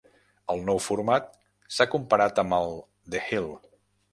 El nou format s'ha comparat amb "The Hill".